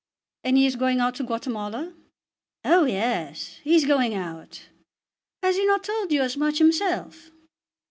"And he is going out to Guatemala?" "Oh yes; he's going out. Has he not told you as much himself?"